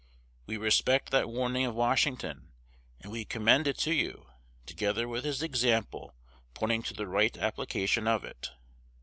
We respect that warning of Washington; and we commend it to you, together with his example pointing to the right application of it.